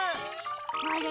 あれ？